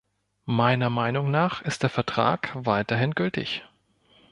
Meiner Meinung nach ist der Vertrag weiterhin gültig.